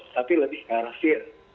tapi lebih ke arah feel